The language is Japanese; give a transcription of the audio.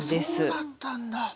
そうだったんだ。